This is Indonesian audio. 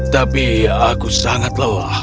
tapi aku sangat lelah